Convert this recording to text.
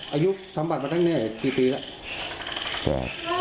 อายุสัมบัติมาตั้งนี้ปีแล้ว